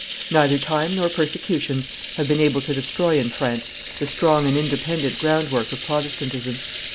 Neither time nor persecutions have been able to destroy in France the strong and independent groundwork of Protestantism.